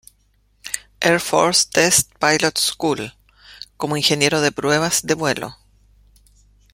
Air Force Test Pilot School" como ingeniero de pruebas de vuelo.